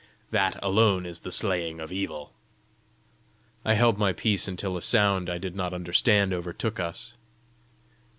That alone is the slaying of evil." I held my peace until a sound I did not understand overtook us.